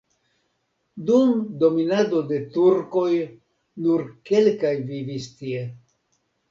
Dum dominado de turkoj nur kelkaj vivis tie.